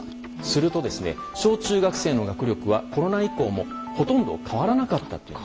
すると、小中学生の学力はコロナ以降もほとんど変わらなかったと。